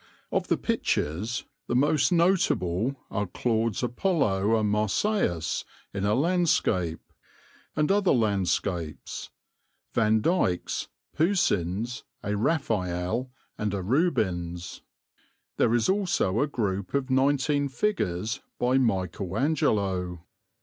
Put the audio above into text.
Of the pictures the most notable are Claude's Apollo and Marsyas in a landscape, and other landscapes, Vandykes, Poussins, a Raphael, and a Rubens. There is also a group of nineteen figures by Michael Angelo.